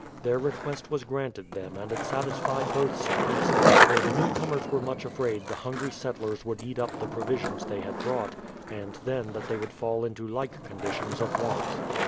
Their request was granted them and it satisfied both sides; for the new comers were much afraid the hungry settlers would eat up the provisions they had brought, and then that they would fall into like con ditions of want.